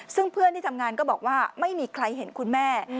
ซึ่งเพื่อนที่ทำงานก็บอกว่าไม่มีใครเห็นคุณแม่